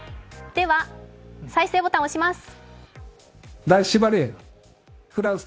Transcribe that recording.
では再生ボタンを押します。